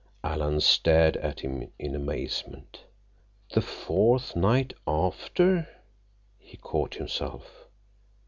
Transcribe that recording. Alan stared at him in amazement. "The fourth night—after—" He caught himself.